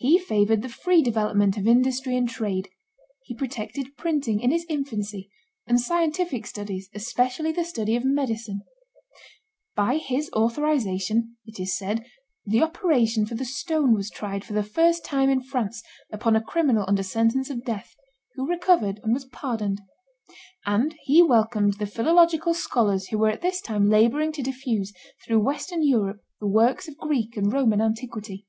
He favored the free development of industry and trade; he protected printing, in its infancy, and scientific studies, especially the study of medicine; by his authorization, it is said, the operation for the stone was tried, for the first time in France, upon a criminal under sentence of death, who recovered, and was pardoned; and he welcomed the philological scholars who were at this time laboring to diffuse through Western Europe the works of Greek and Roman antiquity.